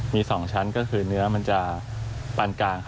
มี๒ชั้นก็คือเนื้อมันจะปานกลาง